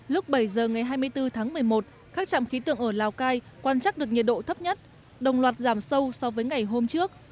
lúc bảy giờ ngày hai mươi bốn tháng một mươi một các trạm khí tượng ở lào cai quan trắc được nhiệt độ thấp nhất đồng loạt giảm sâu so với ngày hôm trước